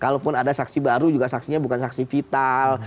kalaupun ada saksi baru juga saksinya bukan saksi vital